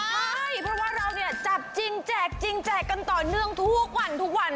ใช่เพราะว่าเราเนี่ยจับจริงแจกจริงแจกกันต่อเนื่องทุกวันทุกวัน